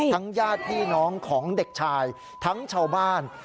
ญาติพี่น้องของเด็กชายทั้งชาวบ้าน